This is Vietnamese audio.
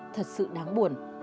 thật sự đáng buồn